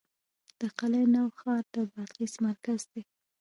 د قلعه نو ښار د بادغیس مرکز دی